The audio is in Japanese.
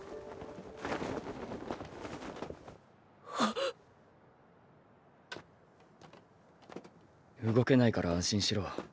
っ⁉動けないから安心しろ。